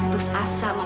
itu seasa mama